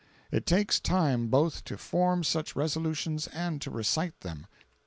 It takes time both to form such resolutions and to recite them.